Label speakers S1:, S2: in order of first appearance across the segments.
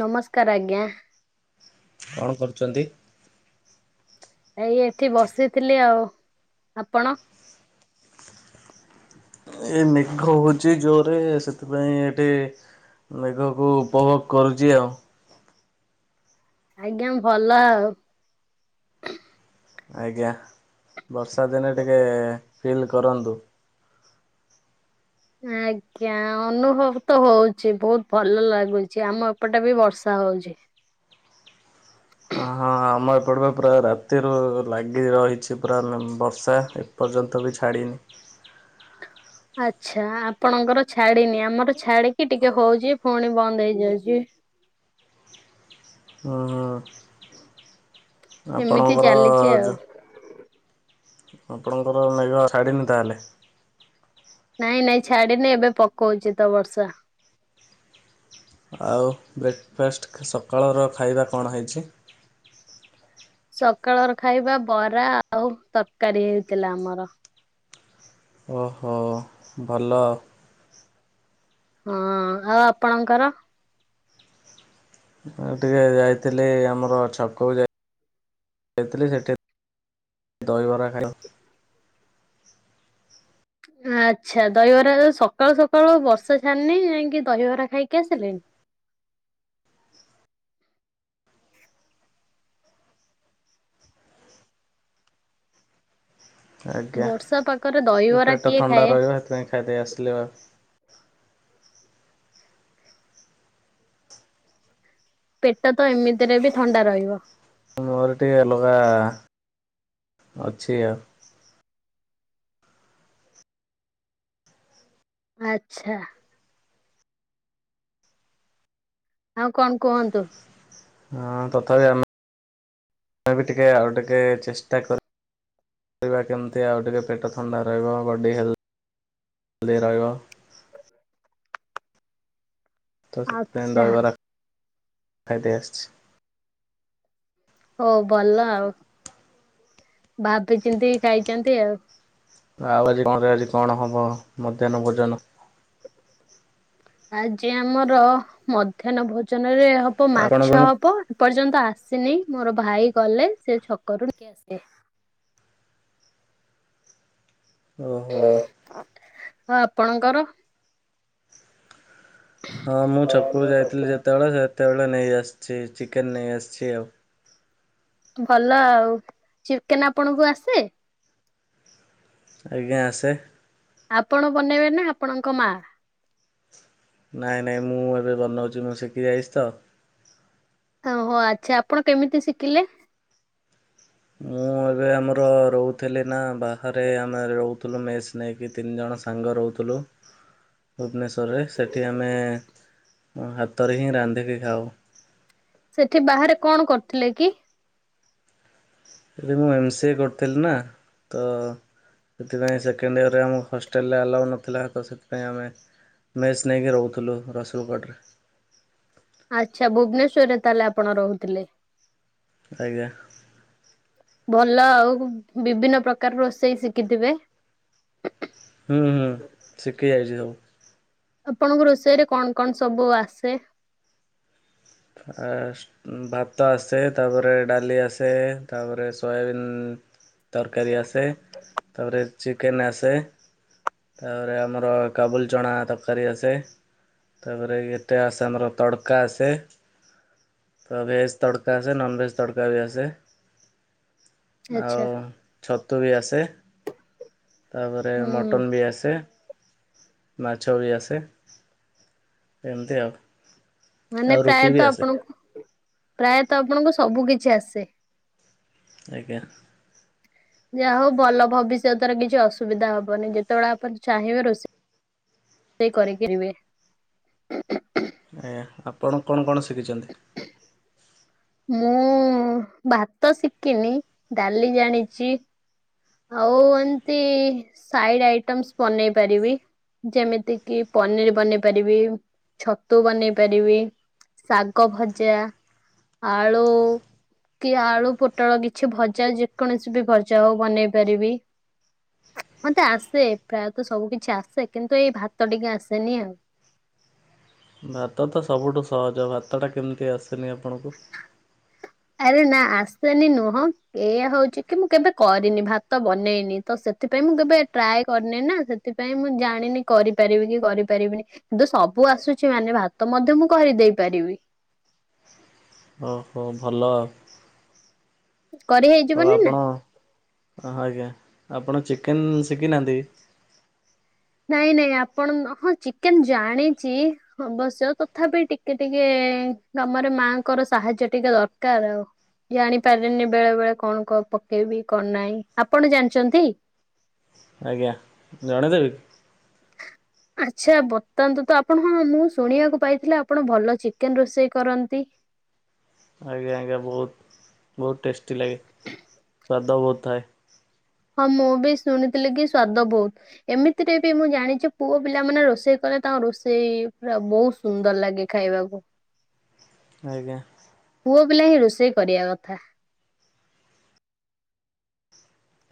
S1: ନମସ୍କାର ଆଜ୍ଞା?
S2: କଣ କରୁଚନ୍ତି?
S1: ଏଇ ଏଠି ବସିଥିଲି ଆଉ ଆପଣ?
S2: ଏ ମେଘ ହଉଚି ଜୋରେ ସେଥିପାଇଁ ଏଠି ମେଘକୁ ଉପଭୋଗ କରୁଚି ଆଉ।
S1: ଆଜ୍ଞା ଭଲ ଆଉ।
S2: ଆଜ୍ଞା ବର୍ଷା ଦିନେ ଟିକେ ଫିଲ୍ କରନ୍ତୁ।
S1: ଆ ଆଜ୍ଞା ଅନୁଭବ ତ ହଉଛି ବହୁତ ଭଲ ଲାଗୁଛି ଆମ ଏପଟେ ବି ବର୍ଷା ହଉଛି।
S2: ଅ ହଁ ଆମ ଏପଟ ପୁରା ରାତିରୁ ଲାଗି ରହିଛି ପୁରା ବର୍ଷା ପର୍ଯ୍ୟନ୍ତ ବି ଛାଡ଼ିନି।
S1: ଆଚ୍ଛା ଆପଣଙ୍କର ଛାଡିନି, ଆମର ଛାଡିକି ଟିକେ ହଉଛି ପୁଣି ବନ୍ଦ ହେଇଯାଉଛି।
S2: ହୁଁ ହୁଁ
S1: ଏମିତି
S2: ଆପଣଙ୍କର
S1: ଚାଲିଛି ଆଉ
S2: ଯ ଆପଣଙ୍କର [unintelligible] ତାହେଲେ
S1: ନାଇଁ ନାଇଁ ଛାଡିିନି ଏବେ ପକଉଛି ତ ବର୍ଷା।
S2: ଆଉ ବ୍ରେକ ଫାଷ୍ଟ ସକାଳର ଖାଇବା କଣ ହେଇଛି?
S1: ସକାଳର ଖାଇବା ବରା ଆଉ ତରକାରୀ ହେଇଥିଲା ଆମର।
S2: ଓହୋ ଭଲ।
S1: ହଁ ଆଉ ଆପଣଙ୍କର?
S2: ମୁଁ ଟିକେ ଯାଇଥିଲି ଆମର [unintelligible] [unintelligible] ସେଠି ଦହିବରା
S1: ଆଚ୍ଛା ଦହିବରା ସକାଳୁ ସକାଳୁ ବର୍ଷା ଛାଡିନି ଯାଇକି ଦହିବରା ଖାଇକି ଆସିଲେଣି?
S2: ଆଜ୍ଞା
S1: ବର୍ଷା ପାଗରେ ଦହିବରା
S2: ପେଟ
S1: କିଏ
S2: ଥଣ୍ଡା
S1: ଖାଏ?
S2: ରହିବ ସେଥିପାଇଁ ଖାଇଦେଇ ଆସିଲି ଆଉ।
S1: ପେଟ ତ ଏମିତିରେ ବି ଥଣ୍ଡା ରହିବ।
S2: ମୋର ଟିକେ ଅଲଗା ଅଛି ଆଉ।
S1: ଆଚ୍ଛା। ଆଉ କଣ କୁହନ୍ତୁ?
S2: ହଁ ତଥାପି ଆମେ [unintelligible] ଟିକେ ଆଉ ଟିକେ ଚେଷ୍ଟା କର [unintelligible] କେମିତି ଆଉ ଟିକେ ପେଟ ଥଣ୍ଡା ରହିବ ବଡ଼ି ହେଲ୍ ହେଲ୍ଦି ରହିବ। ତ ସେଥିପାଇ
S1: ଆଚ୍ଛା
S2: ଦହିବରା ଖାଇଦେଇ ଆସଛି।
S1: ହଉ ଭଲ ଆଉ ଭାବି ଚିନ୍ତିକି ଖାଇଛନ୍ତି ଆଉ।
S2: ଆଉ ଆଜି [unintelligible] କଣ ହବ ମଧ୍ୟାହ୍ନ ଭୋଜନ?
S1: ଆଜି ଆମର ମଧ୍ୟାହ୍ନ ଭୋଜନ ରେ ହବ
S2: ଆପଣଙ୍କ
S1: ମାଛ ହବ। ଏପର୍ଯ୍ୟନ୍ତ ଆସିନି ମୋର ଭାଇ ଗଲେ ସେ ଛକରୁ ନେଇକିଆସେ।
S2: ଓହୋ।
S1: ହ ଆପଣଙ୍କର?
S2: ହଁ ମୁଁ ଛକକୁ ଯାଇଥିଲି ଯେତେବେଳେ ସେତେବେଳେ ନେଇଆସିଛି ଚିକେନ ନେଇ ଆସିଛି ଆଉ।
S1: ଭଲ ଆଉ ଚିକେନ ଆପଣଙ୍କୁ ଆସେ?
S2: ଆଜ୍ଞା ଆସେ।
S1: ଆପଣ ବନେଇବେ ନା ଆପଣଙ୍କ ମା?
S2: ନାଇଁ ନାଇଁ ମୁଁ ମୋର ବନଉଛି ମୁଁ ଶିଖି ଯାଇଛି ତ।
S1: ହଁ ହୋ ଆଚ୍ଛା ଆପଣ କେମିତି ଶିଖିଲେ?
S2: ମୁଁଁ ଏବେ ଆମର ରହୁଥିଲି ନା ବାହାରେ ଆମେ ରହୁଥିଲୁ ମେସ୍ ନେଇକି ତିନି ଜଣ ସାଙ୍ଗ ରହୁଥିଲୁ। [unintelligible] ଭୁବନେଶ୍ୱରରେ ସେଠି ଆମେ ହାତରେ ହିଁ ରାନ୍ଧିକି ଖାଉ।
S1: ସେଠି ବାହାରେ କଣ କରୁଥିଲେ କି?
S2: ଏବେ ମୁଁ ଏମ୍ ସିଏ କରିଥିଲି ନା ତ ସେଥିପାଇଁ ସେକେଣ୍ଡ ଇୟରରେ ଆମକୁ ହଷ୍ଟେଲରେ ଆଲାଉ ନଥିଲା ତ ସେଥିପାଇଁ ଆମେ ମେସ ନେଇକି ରହୁଥିଲୁ ରସୁଲଗଡ଼ରେ।
S1: ଆଚ୍ଛା ଭୁବନେଶ୍ୱରରେ ତାହେଲେ ଆପଣ ରହୁଥିଲେ?
S2: ଆଜ୍ଞା।
S1: [inaudible] ଭଲ ଆଉ ବିଭିନ୍ନ ପ୍ରକାର ରୋଷେଇ ଶିକିଥିବେ।
S2: ହୁଁ ଶିକି ଯାଇଚି ସବୁ।
S1: ଆପଣଙ୍କୁ ରୋଷେଇ ରେ କଣ କଣ ସବୁ ଆସେ?
S2: [inaudible] ଉଁ- ଭାତ ଆସେ ତାପରେ ଡାଲି ଆସେ ତାପରେ ସୋୟାବିନ୍ ତରକାରୀ ଆସେ ତାପରେ ଚିକେନ୍ ଆସେ। ତାପରେ ଆମର କାବୁଲ୍ ଚଣା ତରକାରୀ ଆସେ। ତାପରେ ଏତେ ଆସେ ଆମର ତଡ଼କା ଆସେ। ତ ଭେଜ୍ ତଡ଼କା ଆସେ ନନଭେଜ୍ ତଡ଼କା ବି ଆସେ ଆଉ
S1: ଆଚ୍ଛା
S2: ଛତୁ ବି ଆସେ ତାପରେ
S1: ହୁଁ
S2: ମଟନ୍ ବି ଆସେ। ମାଛ ବି ଆସେ ଏମିତି ଆଉ।
S1: ମାନେ
S2: ଆଉ ରୁଟି
S1: ପ୍ରାୟତଃ
S2: ବି ଆସେ
S1: ଆପଣଙ୍କୁ ପ୍ରାୟତଃ ଆପଣଙ୍କୁ ସବୁ କିଛି ଆସେ।
S2: ଆଜ୍ଞା।
S1: ଯାହା ହଉ ଭଲ ଭବିଷ୍ୟତରେ କିଛି ଅସୁବିଧା ହବନି ଯେତେବେଳେ ଆପଣ ଚାହିଁବେ ରୋଷେଇ ଷେଇ କରି‌ ଖାଇବେ।
S2: ଆଜ୍ଞା ଆପଣ କଣ କଣ ଶିକିଚନ୍ତି?
S1: ମୁଁ ଭାତ ଶିକିନି ଡାଲି ଜାଣିଚି ଆଉ ଏମିତି ସାଇଡ୍ ଆଇଟମସ୍ ବନେଇ ପାରିବି। ଯେମିତି କିି ପନିର୍ ବନେଇ ପାରିବି ଛତୁ ବନେଇ ପାରିବି। ଶାଗ ଭଜା ଆଳୁ। କି ଆଳୁ, ପୋଟଳ କିଛି ଭଜା ଯେକୌଣସି ବି ଭଜା ହଉ ବନେଇ ପାରିବି। ମତେ ଆସେ ପ୍ରାୟତଃ ସବୁ କିଛି ଆସେ କିନ୍ତୁ ଏଇ ଭାତ ଟିକେ ଆସେନି ଆଉ।
S2: ଭାତ ତ ସବୁଠୁ ସହଜ ଭାତଟା କେମିତି ଆସେନି ଆପଣଙ୍କୁ?
S1: ଆରେ ନା ଆସେନି ନୁହଁ ଏଇଆ ହଉଚି କି ମୁଁ କେବେ କରିନି ଭାତ ବନେଇନି ତ ସେ ଥିପାଇଁ ମୁଁ କେବେ ଟ୍ରାଏ କରିନି ନା ସେଥିପାଇଁ ମୁଁ ଜାଣିନି କରିପାରିବି କି କରିପାରିବିନି। କିନ୍ତୁ ସବୁ ଆସୁଚି ମାନେ ଭାତ ମଧ୍ୟ ମୁଁ କରିଦେଇ ପାରିବି।
S2: ଓହୋ ଭଲ ଆଉ।
S1: କରି
S2: ଆଉ
S1: ହେଇଯିବନି ନା।
S2: ଆପଣ- ଆଜ୍ଞା ଆପଣ ଚିକେନ୍ ଶିକିନାହାନ୍ତି?
S1: ନାଇଁ ନାଇଁ ଆପଣ- ହଁ ଚିକେନ୍ ଜାଣିଚି ଅବଶ୍ୟ ତଥାପି ଟିକେ ଟିକେ କାମରେ ମାଆଙ୍କର ସାହାଯ୍ୟ ଟିକେ ଦରକାର୍ ଆଉ। ଜାଣିପାରେନି ବେଳେ ବେଳେ କଣ କ- ପକେଇବି କଣ ନାହିଁ। ଆପଣ ଜାଣିଚନ୍ତି?
S2: ଆଜ୍ଞା- ଜଣେଇଦେବି?
S1: ଆଚ୍ଛା ତବତାନ୍ତୁ ତ ଆପଣ ହଁ ମୁଁ ଶୁଣିବାକୁ ପାଇଥିଲି ଆପଣ ଭଲ ଚିକେନ୍ ରୋଷେଇ କରନ୍ତି।
S2: ଆଜ୍ଞା ଆଜ୍ଞା ବହୁତ୍ -ବହୁତ୍ ଟେଷ୍ଟି ଲାଗେ ସ୍ୱାଦ ବହୁତ୍ ଥାଏ।
S1: ହଁ ମୁଁ ବି ଶୁଣିଥିଲି କି ସ୍ଵାଦ ବହୁତ୍। ଏମିତିରେ ବି ମୁଁ ଜାଣିଚି ପୁଅ ପିଲାମାନେ ରୋଷେଇ କଲେ ତାଙ୍କ ରୋଷେଇ ପୁରା ବହୁସ୍ ସୁନ୍ଦର୍ ଲାଗେ ଖାଇବାକୁ।
S2: ଆଜ୍ଞା।
S1: ପୁଅ ପିଲା ହିଁ ରୋଷେଇ କରିଆ କଥା।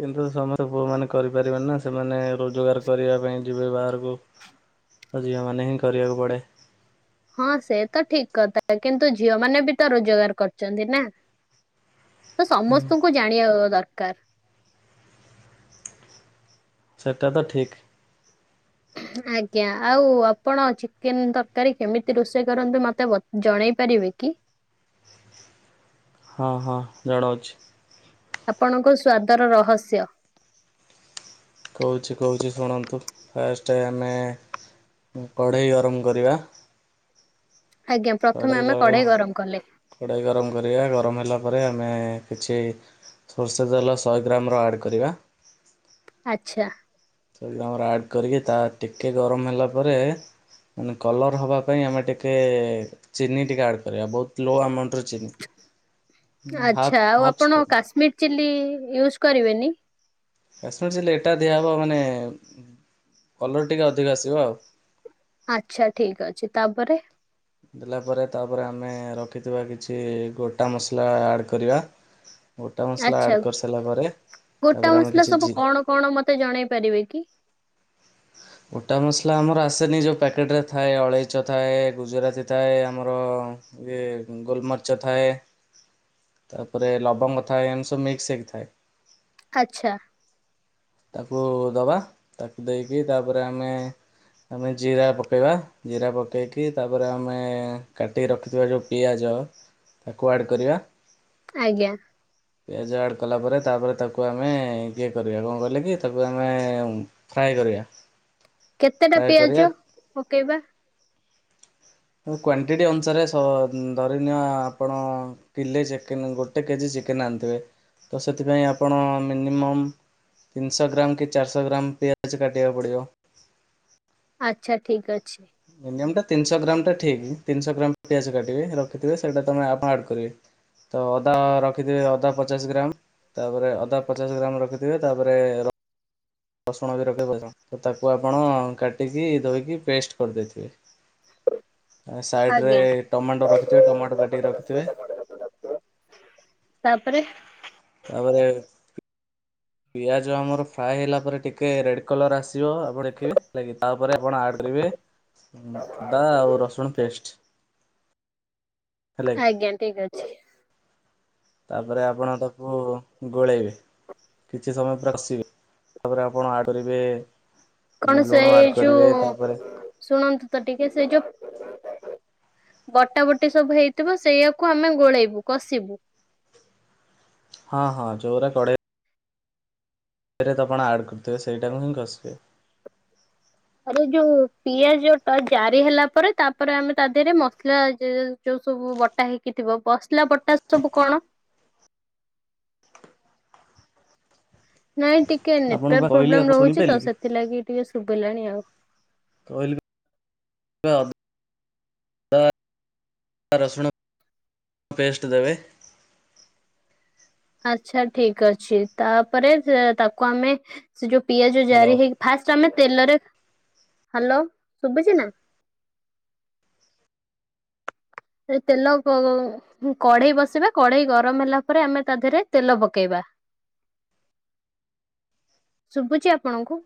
S2: କିନ୍ତୁ ସମସ୍ତେ ପୁଅମାନେ କରିପାରିବେନି ନା ସେମାନେ ରୋଜଗାର କରିବା ପାଇଁ ଯିବେ ବାହାରକୁ। ଆଉ ଝିଅମାନେ ହିଁ କରିବାକୁ ପଡ଼େ।
S1: ହଁ ସେ ତ ଠିକ୍ କଥା କିନ୍ତୁ ଝିଅ ମାନେ ବି ତ ରୋଜଗାର କରିଛନ୍ତି ନା। ତ
S2: ହୁଁ
S1: ସମସ୍ତଙ୍କୁ ଜାଣିବା ଦରକାର।
S2: ସେଟା ତ ଠିକ୍।
S1: ଆଜ୍ଞା ଆଉ ଆପଣ ଚିକେନ୍ ତରକାରୀ କେମିତି ରୋଷେଇ କରନ୍ତୁ ମତେ ବତେ ଜଣେଇ ପାରିବେ କି?
S2: ହଁ ହଁ ଜଣଉଛି।
S1: ଆପଣଙ୍କ ସ୍ଵାଦର ରହସ୍ୟ।
S2: କହୁଛି କହୁଛି ଶୁଣନ୍ତୁ। ଫାଷ୍ଟ ଆମେ କଢ଼େଇ ଗରମ କରିବା।
S1: ଆଜ୍ଞା ପ୍ରଥମେ ଆମେ କଢେଇ ଗରମ କଲେ।
S2: କଡ଼େଇ ଗରମ କରିବା ଗରମ ହେଲା ପରେ ଆମେ କିଛି ସୋରିସ ତେଲ ଶହେ ଗ୍ରାମ୍ ର ଆଡ଼୍ କରିବା।
S1: ଆଚ୍ଛା।
S2: ସେ ଆମର ଆଡ଼୍ କରିକି ତା ଟିକେ ଗରମ ହେଲା ପରେ। ମାନେ କଲର ହବା ପାଇଁ ଆମେ ଟିକେ ଚିନି ଟିକେ ଆଡ କରିବା ବହୁତ ଲୋ ଆମାଉଣ୍ଟ ର।
S1: ଆଛା ଆଉ
S2: ହାଫ୍
S1: ଆପଣ
S2: ସ୍ପୁନ୍
S1: କାଶ୍ମୀର ଚିଲ୍ଲି ୟୁଜ୍ କରିବେନି?
S2: କାଶ୍ମୀର ଚିଲି ଏଟା ଦିଆହବ ମାନେ କଲର୍ ଟିକେ ଅଧିକ ଆସିବ ଆଉ।
S1: ଆଚ୍ଛା ଠିକ୍ ଅଛି ତାପରେ
S2: ଦେଲା ପରେ ତାପରେ ଆମେ ରଖିଥିବା କିଛି ଗୋଟା ମସଲା ଆଡ଼୍ କରିବା। ଗୋଟା ମସଲା
S1: ଆଛା।
S2: ଆଡ଼୍ କରିସାରିଲା ପରେ
S1: ଗୋଟା
S2: ତାପରେ ଆମେ
S1: ମସଲା
S2: କିଛି
S1: ସବୁ
S2: ଜି
S1: କଣ କଣ ମତେ ଜଣେଇ ପାରିବେ କି?
S2: ଗୋଟା ମସଲା ଆମର ଆସେନି ଯୋଉ ପ୍ୟାକେଟରେ ଥାଏ ଅଳେଇଚ ଥାଏ, ଗୁଜୁରାତି ଥାଏ ଆମର। ଇଏ ଗୋଲମରିଚ ଥାଏ। ତାପରେ ଲବଙ୍ଗ ଥାଏ ଏମିତି ସବୁ ମିକ୍ସ ହେଇକି ଥାଏ।
S1: ଆଚ୍ଛା।
S2: ତାକୁ ଦବା ତାକୁ ଦେଇକି ତାପରେ ଆମେ। ଆମେ ଜିରା ପକେଇବା ଜିରା ପକେଇକି ତାପରେ ଆମେ କାଟିକି ରଖିଥିବା ଯୋଉ ପିଆଜ ତାକୁ ଆଡ଼୍ କରିବା।
S1: ଆଜ୍ଞା।
S2: ପିଆଜ ଆଡ କଲା ପରେ ତାପରେ ତାକୁ ଆମେ କିଏ କରିବା କଣ କରି [unintelligible] ତାକୁ ଆମେ ଫ୍ରାଏ କରିବା।
S1: କେତେଟା
S2: ଫ୍ରାଏ
S1: ପିଆଜ
S2: କରିବା
S1: ପକେଇବା?
S2: କ୍ଵାଣ୍ଟିଟି ଅନୁସାରେ ସ ଧରିନିଅ ଆପଣ। କିଲେ ଚିକେନ୍ ଗୋଟେ କେଜି ଚିକେନ୍ ଆଣିଥିବେ ତ ସେଥିପାଇଁ ଆପଣ ମିନିମମ୍ ତିନିଶହ ଗ୍ରାମ କି ଚାରିଶହ ଗ୍ରାମ ପିଆଜ କାଟିବାକୁ ପଡ଼ିବ।
S1: ଆଛା ଠିକ୍ ଅଛି।
S2: ମିନିୟମ ଟା ତିନିଶହ ଗ୍ରାମ ଟା ଠିକ। ତିନିଶହ ଗ୍ରାମ ପିଆଜ କାଟିବେ ରଖିଥିବେ ସେଇଟା ତମେ ଆପଣ ଆଡ଼ କରିବେ। ତ ଅଦା ରଖିଥିବେ ଅଦା ପଚାଶ ଗ୍ରାମ। ତାପରେ ଅଦା ପଚାଶ ଗ୍ରାମ ରଖିଥିବେ ତାପରେ ର ରସୁଣ ବି ରଖ ତ ତାକୁ ଆପଣ କାଟିକି ଧୋଇକି ପେଷ୍ଟ କରିଦେଇଥିବେ।
S1: [inaudible]
S2: ସାଇଡ଼ରେ
S1: ଆଜ୍ଞା।
S2: ଟମାଟୋ ରଖିଥିବେ ଟମାଟୋ କାଟିକି ରଖିଥିବେ
S1: ତାପରେ
S2: ତାପରେ ପିଆଜ ଆମର ଫ୍ରାଏ ହେଲା ପରେ ଟି ଟିକେ ରେଡ କଲର ଆସିବ ଆପଣ ଦେଖିବେ ତାପରେ ଆପଣ ଆଡ କରିବେ। ଅଦା ଆଉ ରସୁଣ ପେଷ୍ଟେ।
S1: ଆଜ୍ଞା ଠିକ୍ ଅଛି।
S2: ତାପରେ ଆପଣ ତାକୁ ଗୋଳେଇବେ। କିଛି ସମୟ ପୁରା କସିବେ ତାପରେ ଆପଣ ଆ କରିବେ।
S1: କଣ ସେ
S2: ଲୁଣ ଆଡ
S1: ଯୋଉ
S2: କରିବେ ତାପରେ
S1: ଶୁଣନ୍ତୁ ତ ଟିକେ ସେ ଯୋଉ ବଟା ବଟି ସବୁ ହେଇଥିବ ସେଇଆକୁ ଆମେ ଗୋଳେଇବୁ କଷିବୁ।
S2: ହଁ ହଁ ଚଉରା କଡ଼େ ଇ ଏରେ ତ ଆପଣ ଆଡ଼୍ କରିଥିବେ ସେଇଟାକୁ ହିଁ କସିବେ।
S1: ଆରେ ଯୋଉ ପିଆଜ ଟା ଜାରି ହେଲା ପରେ ତାପରେ ଆମେ ତା ଦେହରେ ମସଲା ଯୋଉ ସବୁ ବଟା ହେଇକି ଥିବ ବସ୍ଲା ବଟା ସବୁ କଣ? ନାଇଁ ଟିକେ
S2: ଆପଣଙ୍କୁ
S1: ନେଟୱାର୍କ
S2: ପା କହିଲି
S1: ପ୍ରୋବ୍ଲେମ
S2: ଆପଣ
S1: ରୋହୁଚି
S2: ଶୁଣିପାରିଲେ
S1: ତ
S2: କି
S1: ସେଥିଲାଗି ଟିକେ ଶୁଭିଲାଣି ଆଉ।
S2: କହିଲି [unintelligible] ତା ଦା ରସୁଣ ପେଷ୍ଟେ ଦେବେ
S1: ଆଛା ଠିକ୍ ଅଛି ତାପରେ ସେ ତାକୁ ଆମେ ଯୋଉ ପିଆଜ
S2: ହ୍ୟାଲୋ
S1: ଜାରି ହେଇ ଫାଷ୍ଟେ ଆମେ ତେଲରେ ହାଲୋ ଶୁବୁଚି ନା। ସେ ତେଲ [unintelligible] କଢେଇ ବସିବା କଢେଇ ଗରମ ହେଲା ପରେ ଆମେ ତା ଦେହରେ ତେଲ ପକେଇବା। ଶୁବୁଚି ଆପଣଙ୍କୁ।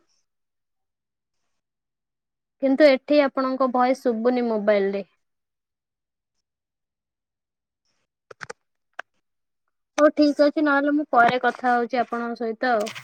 S1: କିନ୍ତୁ ଏଠି ଆପଣଙ୍କ ଭଏସ ଶୁବୁନି ମୋବାଇଲ ରେ। ହୋଉ ଠିକ୍ ଅଛି ନହେଲେ ମୁଁ ପରେ କଥା ହୋଉଚି ଆପଣଙ୍କ ସହିତ ଆଉ।